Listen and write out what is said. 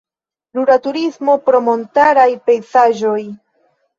Rura turismo pro montaraj pejzaĝoj.